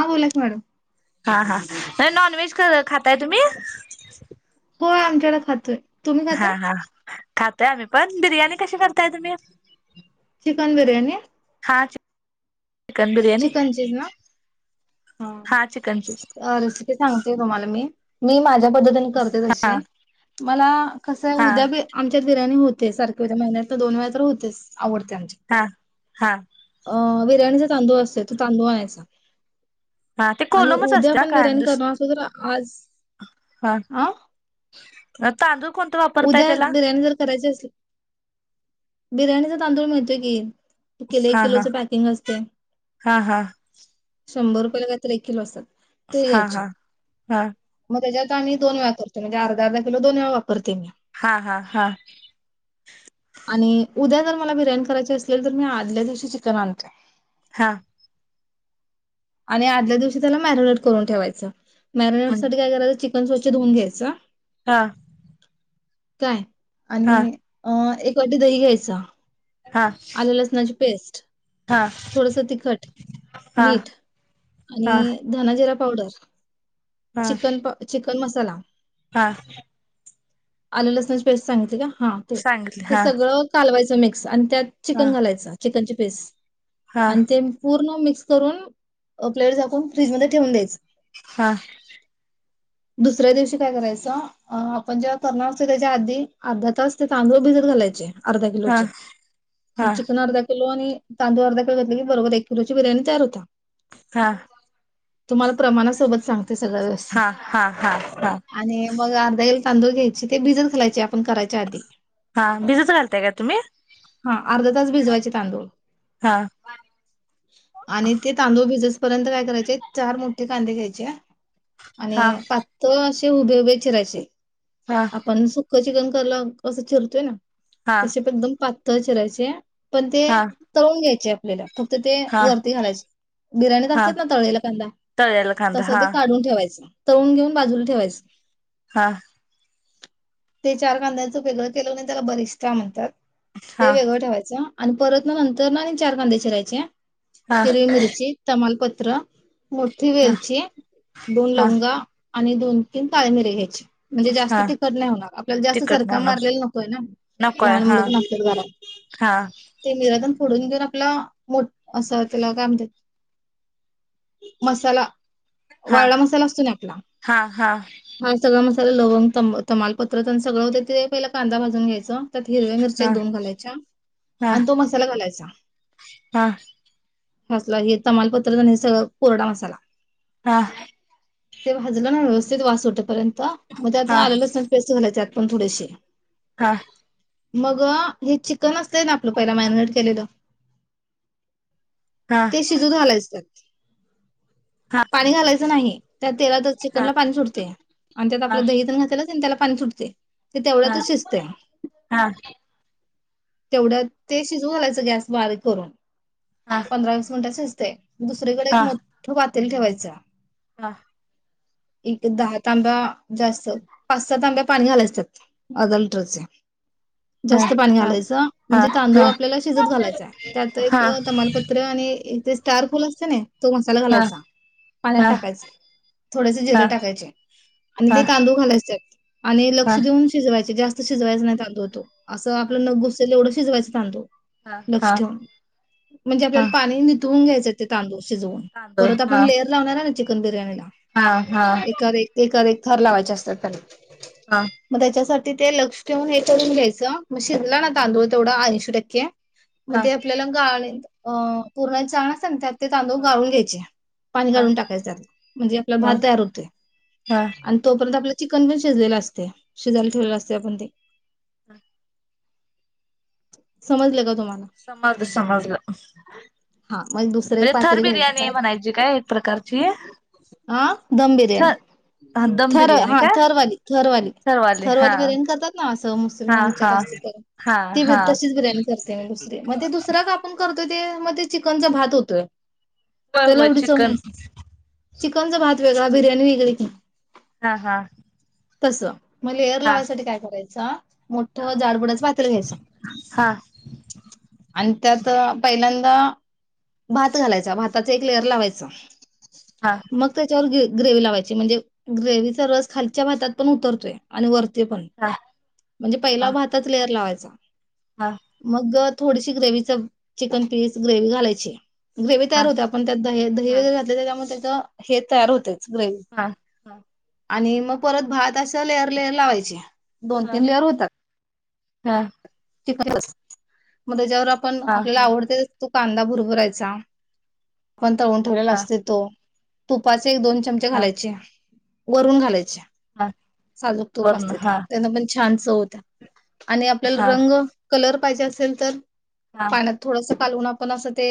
हा बोला की मॅडम हा हा नाही नॉन व्हेज खाताय तुम्ही होय आमच्याला खातोय तुम्ही खाताय खातय आम्ही पण बिर्याणी कशी करताय तुम्ही चिकन बिर्याणी हाच चिकन चीज ना हा रेसिपी सांगतेय तुम्हाला मी. मी माझ तुमच्या पद्धतीने करते हा तशी, मला कसआहे हा उद्यापिन आमच्यात बिर्याणी हो ते सारखे होतय महिन्यातर दोन वेळा होतेच. आवडते आमच्यात हा हा हा हा त्यांचं तांदूळ असतय. रेशनच तांदूळ आणायचा. हा ते आणि कोलमच उद्या असत्या पण काय बिर्याणी दुसर करणार असलो तर आज हा हा तांदूळ कोणतं वापरताय उद्या त्याला बिर्याणी जर करायची असली बिर्याणीचा तांदूळ मिळतोय की किलो एक हा हा किलोच पॅकिंग असतय. हा हा शंभर रुपयाला काय तर एक किलो असात्यात. ते हा हेच हा हा मग त्याच्यात आणि दोन वेळा कर म्हणजे अर्धा अर्धा किलो दोन वेळा वापर. ते हा हा हा आणि उद्या जर मला बिर्याणी करायची असेल तर मी आदल्या दिवशी चिकन आणतोय. हा आणि आदल्या दिवशी त्याला मॅरिनेट करून ठेवायचं. मॅरिनेटसाठी काय करायचं चिकन पण स्वच्छ धुऊन घ्यायच. हा काय हा आणिआ एक कधी दही घ्यायचा. हा आल लसणाची पेस्ट हा थोडस तिखट, मीठ हा आणि धन, जिरं पावडर हा चिकन पण चिकन मसाला हा आले लसणाची पेस्ट सांगितली का? हा ते सांगितले ते हा सगळं कालवायचं नई आणि त्यात हा चिकन घालायचं चिकन च बस हा आणि ते पूर्ण मिक मिक्स करून प्लेट झाकून फ्रीजमध्येध्ये ठेवून द्यायच हा दुसऱ्या दिवशी काय करायचं अ आपण जेव्हा करणार असत त्याच्या आधी अर्धा तास ते तांदूळ भिजत घालायचे अर्धा हा किलोचे हा चिकन अर्धा किलो आणि तांदू अर्धाळ घेतलं की बरोबर एक किोची बिर्याणी तयार होता हा तुम्हाला प्रमाणासोबत सांग ते सगळं व्यवस्थ हा हा हा हा आणि मग अध तांदळ घ्यायचे ते भिजन खायचे करायच्या आध हा भिजत घालताय का तुम्ही अर्ध तास भिजवायचे तांदूळ हा आणि ते तांदूळ भिज पर्य काय करायचे मो त कांध घच आणि हा पात अस ते उभे उभे चिरायचे हा आपण कचिकन कराला असं ठरतोय ना हा तसे पणदम प तचरायचे पण ते हा तळून घ्यायचे मला फक्त ते हा वरती घालायचे बिर्याणीत हा असतात ना तळेलेला कांदा तळलेला कांदा तस हा ते ठेवायच तळुून घेऊन बाजूला ठेवायच हा ते चार कांद्यांच फेव्रट ते लग्न त्याला बरिष्ता म्हणतात ते हा वेगळं ठेवायचं आणि परत ना नंतर ना आणि चार कांदे शिरायचे हा हिरवी मिरची तमाल प क त्र मोठी हा बेलची बोन हा लाव का आणि दोन तीन ताळमिरीे घ्यायची म्हणजे जास्त हा तिखड नाही होणार आपल्याला जास्त तिखट सरका नाही मारलेला नकोय ना नकोय लहान हा मुलंच नकतात घरात हा ते निरातन फोडून घेऊन आपला मोठ असा त्याला काय म्हणतात मसाला हा वावड मसाला असतो ना आपला हा हा हा सगळा मसा लवंग त तमालपत्र आणि सगळं होते ते पहिला कांदा भाजून घ्यायच हिरव्या मिरच्या हा एक दोन घालायच्या हा आणि तो मसाला घालायचा हा हा हसला हे तमालपत्र आणि हे सगळं कोरडा मसाला हा ते भाजलं ना व्यवस्थित वास होत र्यंत म्हणजे हा आता आलेलंच पै घलायचे पण थोडेसे हा मग हे चिकन असत ना आपलं पहिला मॅरिनेट केलेलं हा ते शिजू घालायचतात हा हा हा पाणी घायच च पा हा आणि त्यात आपलं हा दण घात त्या पण सुटते ते तेवढ्यातच शिसत हा हा हा तेवढं ते शिजू घालायचं गॅस बारीक करून हा हा पंधरा वीस मिनटच ते दुसरकडे हा एक मोठं बात ते ठेवायचा हा एक दहा तांब्या जास्त पाच सहा तांब्या पाणी घालायचतात अदल्टरचे हा हा म्हणजे तांदूळ आपल्याला शिजत घालायचय त्यात एक तमालपत्र आणि इथे स्टार फुल असते ना तो मसाला घालायचा पाण्यात टाकायचा थोडेसे जिरे हा टाकायचे आणि ते तांदूळ घालायचे आणि हा लक्ष देऊन शिजवायचे जास्त तशीच वेज नाही चालू होतो असं आपल्या हा न गुस तेवढं शजवायंथांतो हा लक्ष हा ठेवून, म्हणजे आपल्याला पाणी निथवून घ्यायचं. ते तांदू शिजवून, तांदूळ परत हा आपण लेयर लावणार आहे ना चिक दम बिर्याणीला. हा हा एकावर एक एकावर एक थर लावायचे असतात त्याला. हा हा म त्याच्यासाठी तीथे लक्ष ठेऊन हे करून घ्यायच मग शजला ना. तांदूळ तेवढ ऐंशी टक्के. हा मध्ये आपल्याला गाळनीत अ पुरणाची चाळण असत्याना त्यात ते तांदूळ गाळून घ्यायचे, पाणी हा गाळून टाकायचे त्यात म्हणजे आपला हा भात तयार होतोय आणि तोपर्यंत आपल चिकन पण शिजलेल असतय. शीजायला ठेवलेल हा असतय आपण ते. समजलगा तुम्हाला? समजलं समजलं हा मग दुसरं एक म्हणजे थर पातेल घ्यायचं बिर्याणी त्यात म्हणायची काय एक प्रकारची? हा दम थ बिर्याणी हा दम थर बिर्याणी हा का थरवाली थरवाली थरवाली बिर्याणी करतात ना असं हा मुसलमांच्यात हा असत्यात हा ते, ते हा तशीच बिर्याणी करते मी दुसरी. म ते दुसरका आपण करतोय. ते म ते चिकनचा भात होतोय. होय त्याला होय एवढी चव चिकन. नसते. चिकनचा भात वेगळा, बिर्याणी वेगळी ती. हा हा. तस. म लेअर हा लावायसाठी काय करायच? जा. मोठ जाडबुडाच पातील घ्यायच हा आणि त्यात पहिल्यांदा आता भात घालायचा भाताचा एक लेअर लावायच. हा त्यानंतर ग्रेव्ही लावायची म्हणजे ग्रेव्हीचा रस खालच्या भातात पण उतरतोय आणि वरच्या ते पण, हा म्हणजे पहिला हा भाताचा लेअर लावायचं. हा [unintelligible] मग. थोडीशी ग्रेव्हीच चिकन पीस ग्रेव्ही घालायची. ग्रेव्ही हा हा तयार होतय पण आपण त्यात द दही हा वगैरे घातलय त्याच्या मुळे त. हे तयार होते नाही हा हा आणि मग परत भात असं लेअर लेअर लावायचे दोन तीन लेअर होतात हा मध्ये जा ण हा हा आपल्याला आवड तो कांदा भर बरायचा कोणता ऊं ठेवलेला हा असते तो तू पाच एक दोन चमचे घालायचे वरून घालायचे हा साजूक तोप वर्ण असते ते हा पण छान होत आणि हा आपल्याला कलर पाहिजे असेल तर हा पाण्यात थोडस ालून आपण असं ते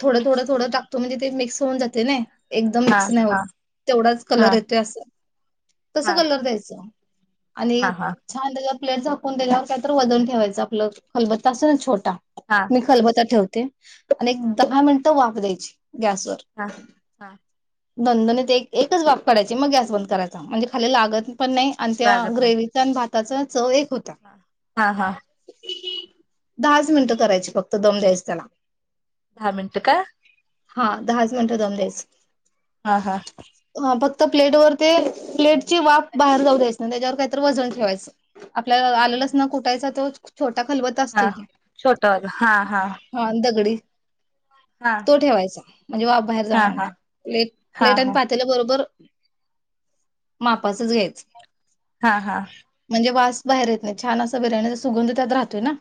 थोडं थोड मिक्स थोडं करून टकतो म्हणजे ते मिकस होऊन जाते ना एकदम हा मिक्स नाही होत हा तेवढाच कलर हा येतोय असं तस हा कलर द्यायचं आणि हा हा छान त्या ूनला हो तर वजन ठेवायचं आपलं खलबत्त असं ना छोट हा मी हा खलबत ठेवते आणि हा दहा मिनट बयची गॅसवरर हा नंदनेत एकच बाप करायची मग गॅस बंद करायची म्हणजे खा लागत पण नाही आणि त्या ग्रेव आणि भात त्याचा च एक होता हा हा हा दहाच मिनिटं करायची फक्त दम द्यायच त्याला दहा मिनट का हा दहा म्हणत दमच हा हा ह प तर प्लेट वर ते प्लेटची वाफ बाहेर जाऊ द्यायचं ना त्याच्यावर काहीत वजन ठेवायचं आपल्या हा आलेलं कुाोछ हा छोट हा हा हा तो ठेवायचा म्हणजे बा बाहेर हा जाणार हा नाही पले हा प्लेट आणि पातेला बरोबर मापचच घ्यायचं हा हा म्हणजे वास बाहेर येत नाही छान असा बिराण्याचा सुगंध त्यात राहतोय ना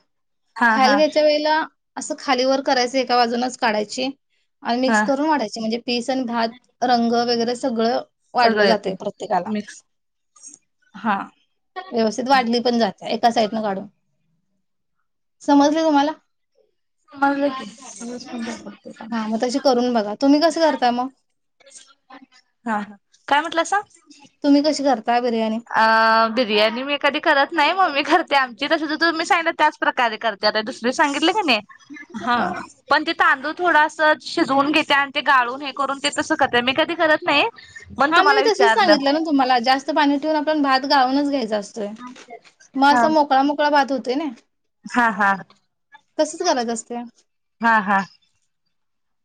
हा खायला हा घ्यायच्या वेळेला असं खाली वर करायचं एका बाजूनच काढायची आणि मिक्स हा करून वाटायचे म्हणजे पीस आणि भात रंग वगरे आपलं सगळं वाढलं सगळं येते जाते प्रत्येकाला मिक्स हा व्यवस्थित वाढली पण जाते सा ना काढून समजलं तुम्हाला म क हा मग तशी करून बघा तुम्ही कस करता मग कसा तुम्ही कशी करता बिर्याणी? अ बिर्याणी मी कधी करत नाही मम्मी करते आम जिथ तु्ी सां त्याच प्रकारे कर तेता दुसर सांगितले का नाही हा. पण ति तांदू थोडा शिजवून घेते ते गाळून हे करून ते तसं करत आहे मी कधी कर नाही पण हा मी तुम्हाला तसेच विचारलं सांगितलं ना तुम्हाला जास्त पाणी ून आपण भातानच घ्यायचंतं मग हा असं मोकळा मोकळा भात होतो होते ना हा हा तसंच करायचं असतंय. हा हा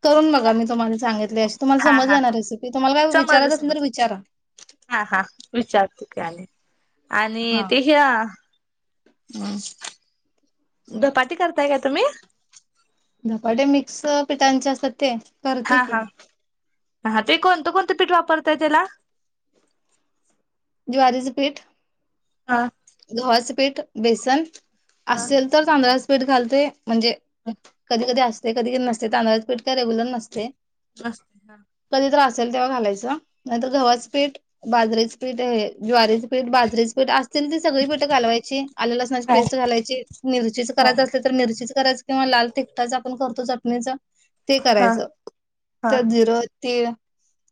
करून बघा मी तुम्हाला सांगितले अशी तुम्हा सज ना रेसिपी तुम्हाला काय सज विचारायचं असेल तर समज विचारा. हा हा रुचारते काले आणि हा ते खेळा हम् दपाटी करताय का तुम्ही धपाटे मिक्सअप त्यांच्या असतात ते करते हा की. हा हा ते कोणतं कोणतं पीठ वापरताय त्येला. ज्वारीचं पीठ. हा. गव्हाचे पीठ बेसन हा असेल तर तांदळाच पीठ घालतोय म्हणजे कधी कधी अस ते कधीध नसते तांदळा पीठ काय रेगुलर नसते. नस्त हा [unintelligible] कधी तर तेव्हा घालायच नंतर गव्हाच पीठ बाजरीेच पीठ हे ज्वारीच पीठ बाजरीेच पीठ अस तीन ती सगळी पीठं कालवायची आलं लसणाची हा पेस्ट घालायची मिरचीच करायचं असल तर मिरचीच करायच किंवा लाल तिकटाच आपण करतो चटणीच ते हा करायचं हा त्यात जिरं तीळ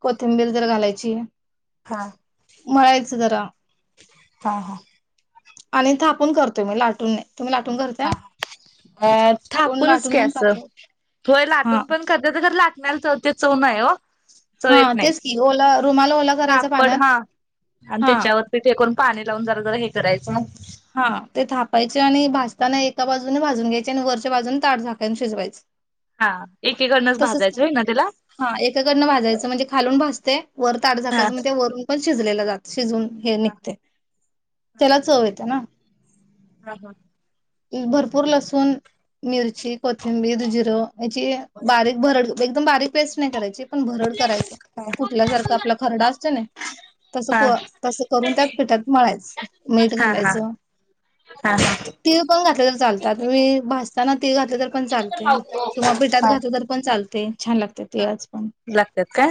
कोथिंबीर जरा घालायची. हा मळायचं जरा हा आणि थापून कर तुम्ही लाटून नाही तुम्ही लाटून करताय हा अ कोण थापूनच की लाटून पण असं करतात होय हा लाटून पण करत्यात तर लाट त तर तेो चौव नाही आओ हा तेच की ओला रुमाला ओला करायचा कापड पाण्यात हा आणि हा. त्याच्यावरती फेकून पाणी लावून जरा जरा हे करायचं त्यांना एका बाजूने भाजून घ्यायची आणि वरच्या बाजून ताट झाकायून शिजवायच. हा एकीकडनंच तसच भाजायचं होय ना त्याला हा एकाकडनं भाजायचं म्हणजे खालून भाजतय. वर ताट हा झाकायचं मग ते वरून पण शिजले जात शिजून हे हा निघतय त्याला चव ये ना [unintelligible] हा हा [unintelligible] भरपूर लसूण मिरची कोथिंबीर जिरं याची बारीक भरड एकदम बारीक पेस्ट नाही करायची पण भरड करायच कुठल्या सारखं आपला खरडा असतो नाई तस हा तस करून त्या टात मलाच मीठ हा घालायचं हा हा टीव पण घातलं तर चालत आता तुम्ही भजताना ते घातले तर पण चालते किंवा पेटात घात तर पण चालते छान लागते ते हा आज लागतात का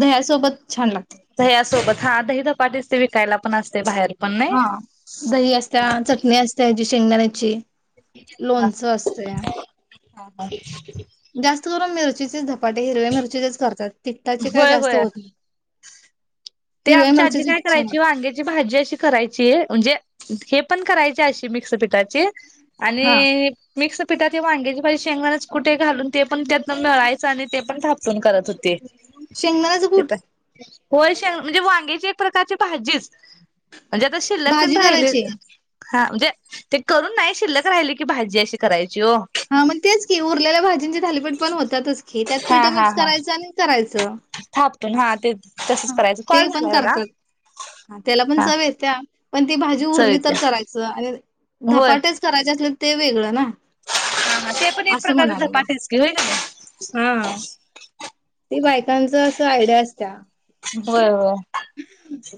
दह्यासोबत छान लागते दह्यासोबत हा दही दपाटीस ते विकायला पण असते बाहेर पण नाही हा दही असत्या चटणी असत्या जी शेंगाण्याची हा हा हा जास्त करून मिरचीचेच झधपाटे हिरव्या मिरचीचेच करतात तित्ताचे काय होय जास्त होय होत नाही ते हिरव्या आमच्या आजी मिरचीचे काय छान करायची लागतात वांग्याची भाजी अशी करायची म्हणजे हे पण करायचे अशी मिक्स पीठाची हा आणि मिक्स पीठात हे वांग्याची भाजी शेंगणाच कुठे घालून ते पण त्यातन मिळायचं आणि ते पण थापून करत होते शेंगदाारचं गुठ होयशा म्हणजे वांगेची एक प्रकारची भाजीच म्हणजे आता शिल्लक तन भाजी राहिले करायची हा म्हणजे ते करून नाही शिल्लक राहिले की भाजी अशी करायची ओ. हा मग तेच की उरलेल्या भाजींचे थालीपीठ पण होतातच की त्यात हा पीठं मिक्स करायचं आणि करायचं च पण हा ते तसंच हा करायचं ते कॉल पण झालाय बघा करतात त्याला पण हा चव येत त्या पण ती भाजी चव उरली तर येत्या. करायचं आणि होय. धपाटेच करायचे अस ते वेगळं ना हा हा. ते पण एक असं प्रकारच म्हणाले धपाटेच की होय कणी. हा ते बायकांच अस आयडिया असत होय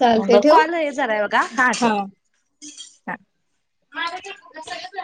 चालतंय ठेवू? कॉल हे झा का का हां. [inaudible]